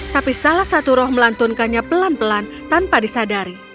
tapi salah satu roh melantunkannya pelan pelan tanpa disadari